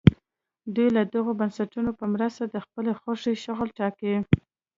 دوی د دغو بنسټونو په مرسته د خپلې خوښې شغل ټاکي.